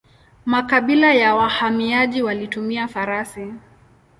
Makabila ya wahamiaji walitumia farasi.